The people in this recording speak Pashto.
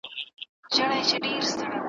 چي به پورته سوې څپې او لوی موجونه `